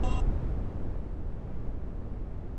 زما په خیال کي وه مزلونه تر سپوږمیو، نصیب نه وو